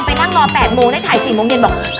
อยากนั่งรอแปดโมงได้ถ่ายสิง้รมงเด็นบอก